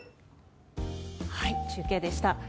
中継でした。